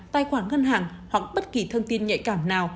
tài khoản ngân hàng hoặc bất kỳ thông tin nhạy cảm nào